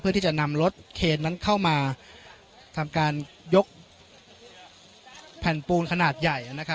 เพื่อที่จะนำรถเครนนั้นเข้ามาทำการยกแผ่นปูนขนาดใหญ่นะครับ